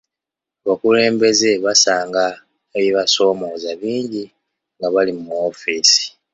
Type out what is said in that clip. Abakulembeze basanga ebibasoomooza bingi nga bali mu woofiisi.